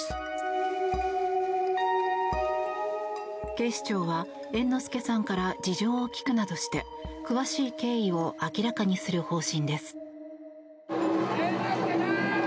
警視庁は猿之助さんから事情を聴くなどして詳しい経緯を明らかにする方針です。